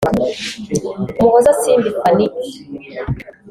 Umuhoza Simbi Fanique